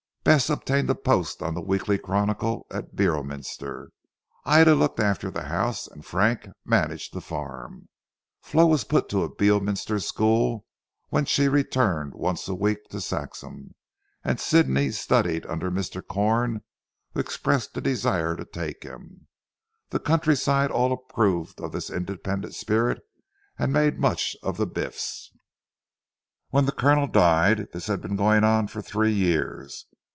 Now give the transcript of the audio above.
Bess obtained a post on the Weekly Chronicle at Beorminster, Ida looked after the house, and Frank managed the farm. Flo was put to a Beorminster school, whence she returned once a week to Saxham, and Sidney studied under Mr. Corn who expressed a desire to take him. The countryside all approved of this independent spirit, and made much of the Biffs. When the Colonel died, this had been going on for three years.